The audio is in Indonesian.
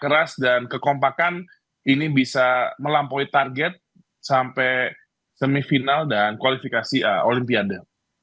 keras dan kekompakan ini bisa melampaui target sampai semifinal dan kualifikasi olimpiade